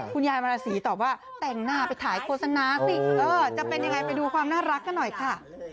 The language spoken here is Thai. คุณยายมาราศีตอบว่าแต่งหน้าไปถ่ายโฆษณาสิจะเป็นยังไงไปดูความน่ารักกันหน่อยค่ะ